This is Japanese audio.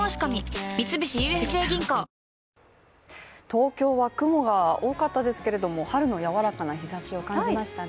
東京は雲が多かったですけれども、春の柔らかな日ざしを感じましたね。